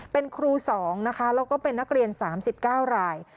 เป็นครู๒นะคะแล้วก็เป็นนักเรียน๓๙ราย